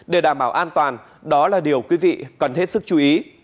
để đảm bảo an toàn đó là điều quý vị cần hết sức chú ý